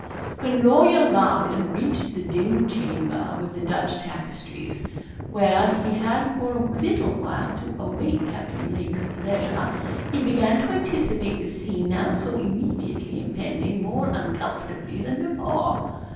When Lawyer Larkin reached the dim chamber, with the Dutch tapestries, where he had for a little while to await Captain Lake's leisure, he began to anticipate the scene now so immediately impending more uncomfortably than before.